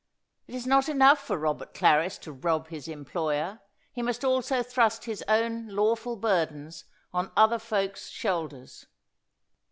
It is not enough for Robert Clarris to rob his employer, he must also thrust his own lawful burdens on other folks' shoulders."